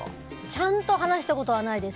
ちゃんと話したことはないです。